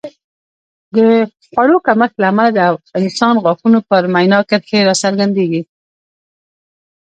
د خوړو کمښت له امله د انسان غاښونو پر مینا کرښې راڅرګندېږي